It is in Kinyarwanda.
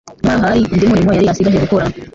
Nyamara hari undi murimo yari ashigaje gukora.